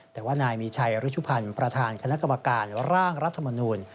แต่ว่านายมีชัยรุชุพันธ์ประธานคณะกรรมการร่างรัฐมนูล